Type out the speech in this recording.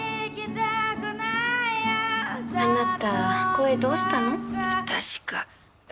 あなた、声どうしたの？